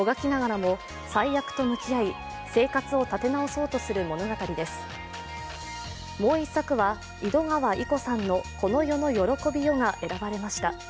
もう一作は井戸川射子さんの「この世の喜びよ」が選ばれました。